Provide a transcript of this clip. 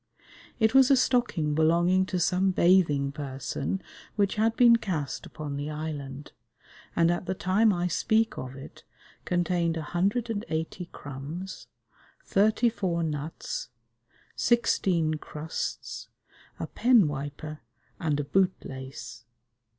It was a stocking belonging to some bathing person which had been cast upon the island, and at the time I speak of it contained a hundred and eighty crumbs, thirty four nuts, sixteen crusts, a pen wiper and a boot lace.